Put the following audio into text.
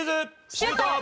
シュート！